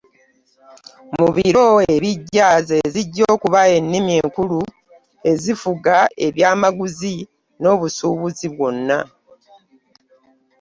Mu biro ebijja ze zijja okuba ennimi enkulu ezifuga eby'amagezi n'obusubuzi bwonna.